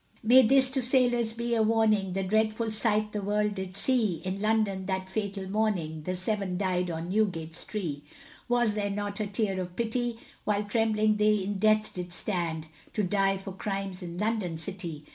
May this to sailors be a warning, The dreadful sight the world did see, In London, that fatal morning, The seven died on Newgate's tree. Was there not a tear of pity, While trembling they in death did stand, To die for crimes in London city.